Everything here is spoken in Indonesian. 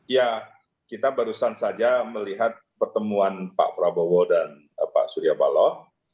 ya kita barusan saja melihat pertemuan pak prabowo dan pak surya paloh